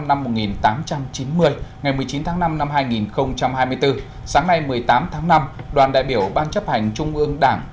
ngày một mươi chín tháng năm năm hai nghìn hai mươi bốn sáng nay một mươi tám tháng năm đoàn đại biểu ban chấp hành trung ương đảng